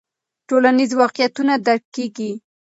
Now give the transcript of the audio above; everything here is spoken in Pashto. ټولنیز واقعیتونه درک کیږي.